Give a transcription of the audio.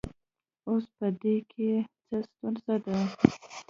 اوس په دې کې څه ستونزه ده